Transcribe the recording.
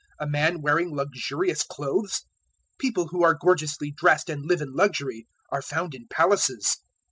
A man wearing luxurious clothes? People who are gorgeously dressed and live in luxury are found in palaces.